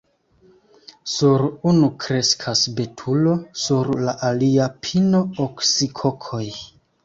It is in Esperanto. Sur unu kreskas betulo, sur la alia – pino, oksikokoj.